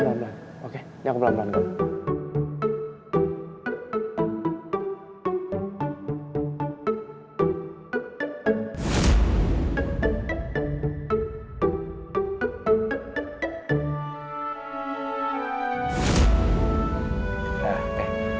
perlahan lahan oke ya aku perlahan lahan